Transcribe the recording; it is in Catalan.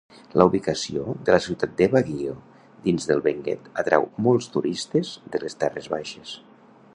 La ubicació de la ciutat de Baguio dins del Benguet atrau molts turistes de les terres baixes.